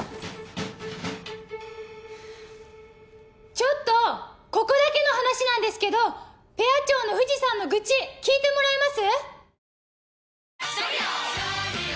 ちょっとここだけの話なんですけどペア長の藤さんの愚痴聞いてもらえます？